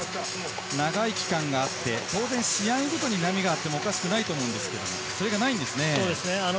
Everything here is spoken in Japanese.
長い期間があって当然、試合ごとに波があってもおかしくないと思うんですけれど、それがないですね。